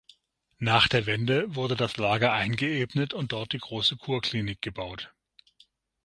Nach der Wende wurde das Lager eingeebnet und dort die große Kurklinik gebaut.